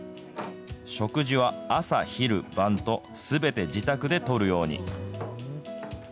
食事は朝昼晩と、すべて自宅でとるように。